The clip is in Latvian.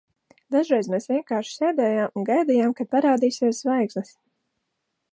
Dažreiz mēs vienkārši sēdējām un gaidījām, kad parādīsies zvaigznes.